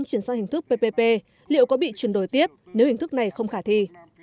chuyển sang hình thức ppp liệu có bị chuyển đổi tiếp nếu hình thức này không khả thi